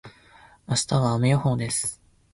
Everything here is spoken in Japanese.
明日は雨予報です。